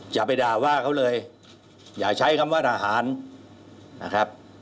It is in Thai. อย่าไปด่าว่าเขาเลยอย่าใช้คำว่าทหารนะครับ